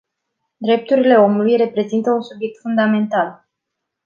Drepturile omului reprezintă un subiect fundamental.